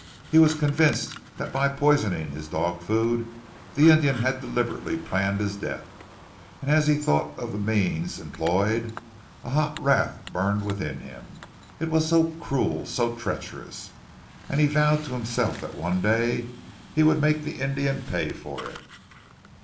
He was convinced that by poisoning his dog food the Indian had deliberately planned his death, and as he thought of the means employed, a hot wrath burned within him. It was so cruel, so treacherous, and he vowed to himself that one day he would make the Indian pay for it.